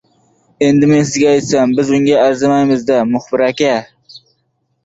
Endi, men sizga aytsam, biz unga arzimaymiz- da, muxbir aka.